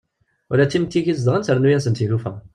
Ula d timetti ideg zegɣen trennu-asen-d tilufa.